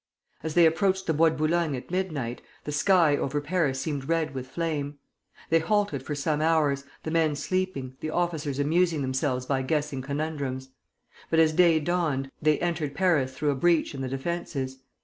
As they approached the Bois de Boulogne at midnight, the sky over Paris seemed red with flame. They halted for some hours, the men sleeping, the officers amusing themselves by guessing conundrums; but as day dawned, they entered Paris through a breach in the defences.